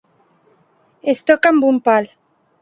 Es toca amb un pal.